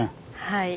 はい。